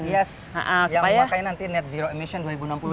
yes yang memakai nanti net zero emission dua ribu enam puluh itu ya targetnya